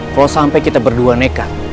kalau sampai kita berdua nekat